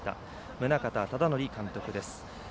宗像忠典監督です。